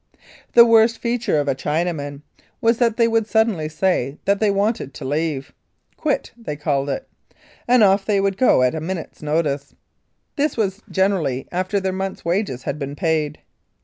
The worst feature of Chinamen was that they would suddenly say that they wanted to leave, "quit," they called it, and off they would go at a minute's notice. This was generally after their month's wages had been paid.